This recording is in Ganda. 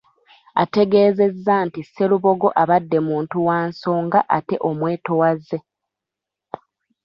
Ategeezezza nti Sserubogo abadde muntu wa nsonga ate omwetowaze.